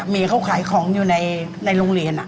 มีเขาขายของอยู่ในโรงเรียน